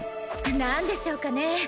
何でしょうかね？